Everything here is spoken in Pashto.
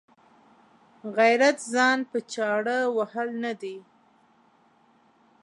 غیرت ځان په چاړه وهل نه دي.